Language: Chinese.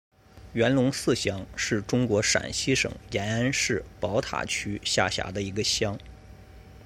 元龙寺乡是中国陕西省延安市宝塔区下辖的一个乡。